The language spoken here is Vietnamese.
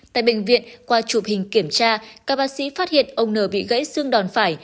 tại bệnh viện qua chụp hình kiểm tra các bác sĩ phát hiện ông n bị gãy xương đòn phải